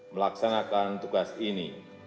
melaksanakan tugas ini